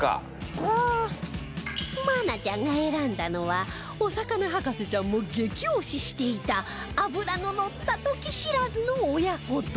愛菜ちゃんが選んだのはお魚博士ちゃんも激推ししていた脂ののったトキシラズの親子丼